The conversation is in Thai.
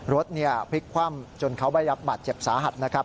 รถพลิกคว่ำจนเขาได้รับบาดเจ็บสาหัสนะครับ